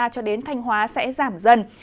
cho đến thanh hóa sẽ giảm dần